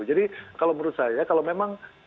jadi kalau menurut saya kalau memang